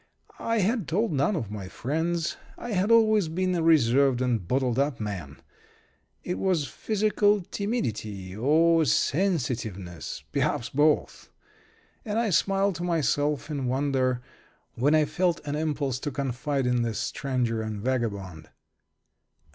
I had told none of my friends. I had always been a reserved and bottled up man. It was psychical timidity or sensitiveness perhaps both. And I smiled to myself in wonder when I felt an impulse to confide in this stranger and vagabond.